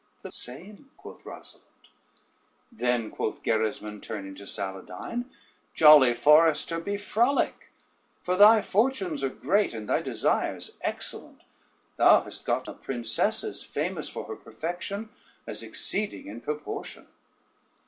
"The same," quoth Rosalynde. "Then," quoth Gerismond, turning to Saladyne, "jolly forester be frolic, for thy fortunes are great, and thy desires excellent; thou hast got a princess as famous for her perfection, as exceeding in proportion."